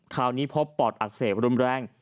คราวนี้พบปอดอักเสบรุนแรง